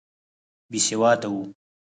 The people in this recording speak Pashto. بېسواده وو.